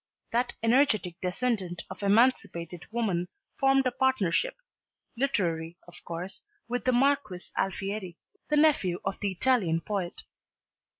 That energetic descendant of "emancipated woman" formed a partnership, literary of course, with the Marquis Alfieri, the nephew of the Italian poet.